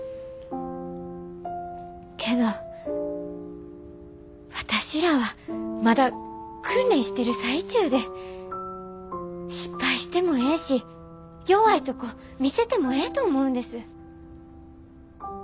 けど私らはまだ訓練してる最中で失敗してもええし弱いとこ見せてもええと思うんです。